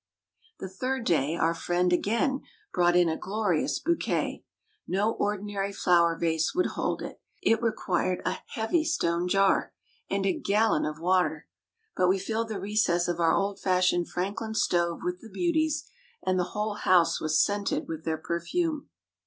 The third day, our friend again brought in a glorious bouquet. No ordinary flower vase would hold it. It required a heavy stone jar, and a gallon of water; but we filled the recess of our old fashioned Franklin stove with the beauties, and the whole house was scented with their perfume.